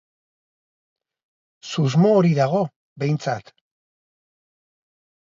Susmo hori dago behintzat.